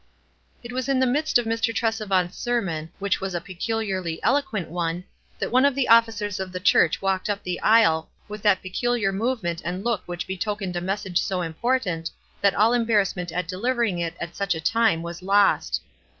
It was in the midst of Mr. Tresevant's ser mon, which was a peculiarly eloquent one, that one of the officers of the church walked up the aisle with that peculiar movement and look which betokened a message so important that all embarrassment at delivering it at such a WISE AND OTHERWISE. 371 time was lost.